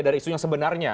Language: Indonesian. dari isu yang sebenarnya